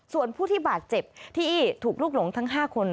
ส่วนผู้ที่บาดเจ็บที่ถูกลุกหลงทั้ง๕คน